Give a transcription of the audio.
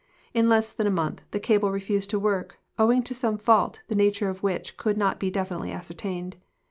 In less than a month the cable refused to work, owing to some fault the nature of which could not be definitel}'' ascertained.